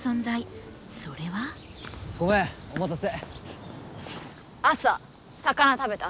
ごめんお待たせ。